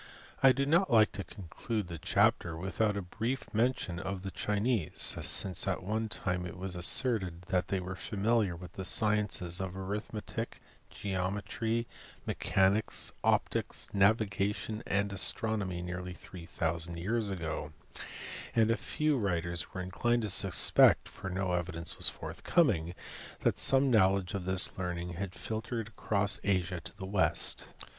I do not like to conclude the chapter without a brief J mention of the Chinese, since at one time it was asserted that I they were familiar with the sciences of arithmetic, geometry, * mechanics, optics, navigation, and astronomy nearly three thousand years ago, and a few writers were inclined to suspect (for no evidence was forthcoming) that some knowledge of this learning had filtered across Asia to the West.